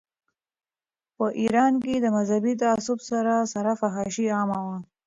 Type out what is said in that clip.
په ایران کې د مذهبي تعصب سره سره فحاشي عامه وه.